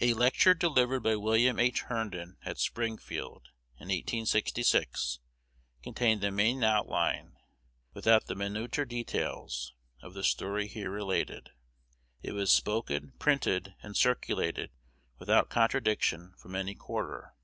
A lecture delivered by William H. Herndon at Springfield, in 1866, contained the main outline, without the minuter details, of the story here related. It was spoken, printed, and circulated without contradiction from any quarter.